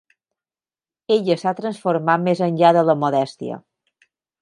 Ella s'ha transformat més enllà de la modèstia.